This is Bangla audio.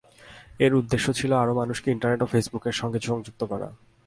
এর উদ্দেশ্য ছিল আরও মানুষকে ইন্টারনেট ও ফেসবুকের সঙ্গে সংযুক্ত করা।